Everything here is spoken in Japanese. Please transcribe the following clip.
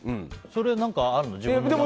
それ、何かあるの？